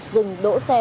rừng đỗ xe